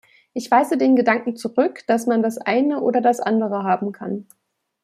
Ich weise den Gedanken zurück, dass man das Eine ohne das Andere haben kann.